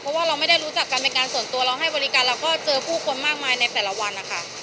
เพราะว่าเราไม่ได้รู้จักกันเป็นการส่วนตัวเราให้บริการเราก็เจอผู้คนมากมายในแต่ละวันนะคะ